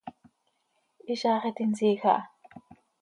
¡Hizaax iti nsiij aha!